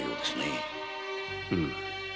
うむ。